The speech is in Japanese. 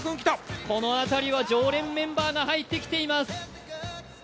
この辺りは常連メンバーが入ってきています。